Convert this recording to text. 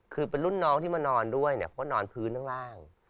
คือเป็นรุ่นน้องที่มานอนด้วยนี่จนนอนพื้นล่าง